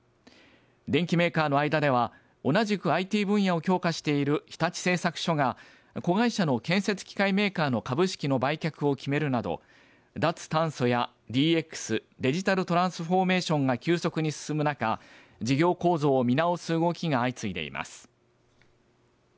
電機メーカーの間では同じくＩＴ分野を強化している日立製作所が子会社の建設機械メーカーの株式の売却を決めるなど脱炭素やＤＸ＝デジタルトランスフォーメーションが急速に進む中事業構造を見直す動きが相次いでいます。